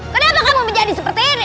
ternyata kamu menjadi seperti ini